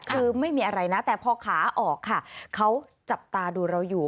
คือไม่มีอะไรนะแต่พอขาออกค่ะเขาจับตาดูเราอยู่